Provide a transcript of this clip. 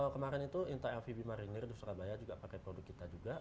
kemarin itu intai lvb marinir di surabaya juga pakai produk kita juga